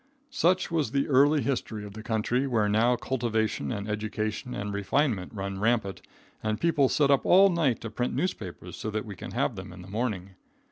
Such was the early history of the country where now cultivation and education and refinement run rampant and people sit up all night to print newspapers so that we can have them in the morning.